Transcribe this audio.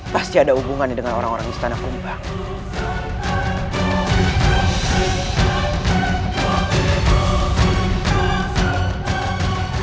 pasti ada hubungan dengan orang orang istana kembang